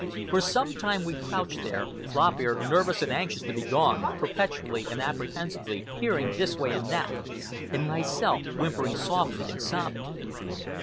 For some time we crouched there, Lop Ear nervous and anxious to be gone, perpetually and apprehensively peering this way and that, and myself whimpering softly and sobbing.